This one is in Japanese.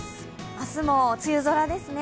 明日も梅雨空ですね。